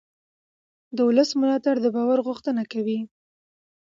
د ولس ملاتړ د باور غوښتنه کوي